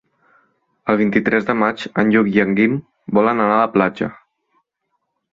El vint-i-tres de maig en Lluc i en Guim volen anar a la platja.